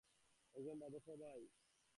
একজন বাদে সবাই।